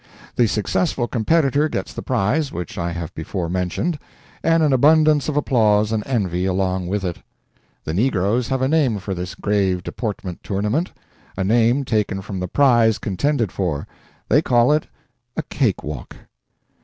The successful competitor gets the prize which I have before mentioned, and an abundance of applause and envy along with it. The negroes have a name for this grave deportment tournament; a name taken from the prize contended for. They call it a Cake walk.